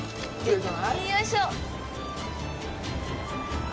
よいしょっ。